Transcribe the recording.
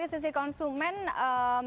sosialisasi penggunaan dan perusahaan